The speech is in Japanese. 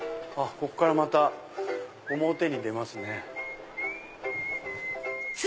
ここからまた表に出ますね。